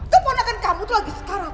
keponakan kamu itu lagi sekarang